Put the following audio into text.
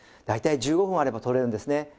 大体１５分あればとれるんですね。